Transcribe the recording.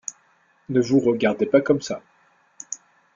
Ne vous regardez pas comme ça.